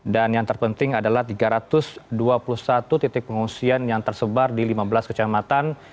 dan yang terpenting adalah tiga ratus dua puluh satu titik pengungsian yang tersebar di lima belas kecamatan